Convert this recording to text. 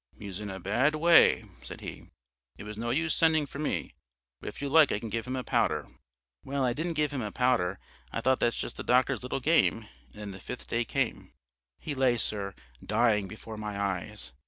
'He's in a bad way,' said he, 'it was no use sending for me. But if you like I can give him a powder.' Well, I didn't give him a powder, I thought that's just the doctor's little game; and then the fifth day came. "He lay, sir, dying before my eyes.